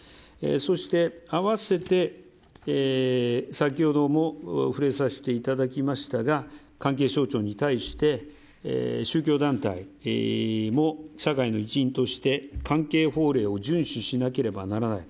そして、併せて先ほども触れさせていただきましたが関係省庁に対して宗教団体も社会の一員として関係法令を順守しなければならない。